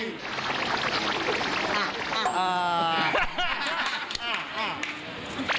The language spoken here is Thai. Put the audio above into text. ในจอหรือในใจ